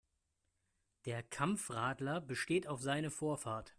Der Kampfradler besteht auf seine Vorfahrt.